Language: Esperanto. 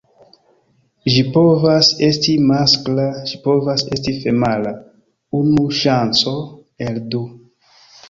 Ĝi povas esti maskla, ĝi povas esti femala: unu ŝanco el du.